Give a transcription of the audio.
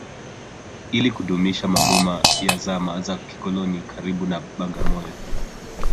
Ili kudumisha maboma ya zama za kikoloni karibu na Bagamoyo